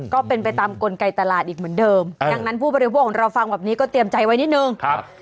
ก็เป็นไปตามกลไกตลาดอีกเหมือนเดิมดังนั้นผู้บริโภคของเราฟังแบบนี้ก็เตรียมใจไว้นิดนึงครับ